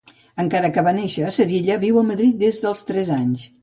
Encara que va néixer a Sevilla viu a Madrid des dels tres anys.